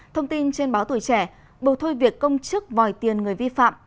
thông tin trên báo tuổi trẻ bầu thôi việc công chức vòi tiền người vi phạm